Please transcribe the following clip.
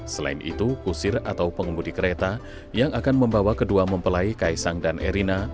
selain itu kusir atau pengemudi kereta yang akan membawa kedua mempelai kaisang dan erina